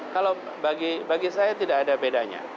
kalau bagi saya tidak ada bedanya